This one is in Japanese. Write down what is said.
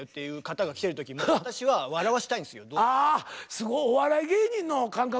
すごいお笑い芸人の感覚やな。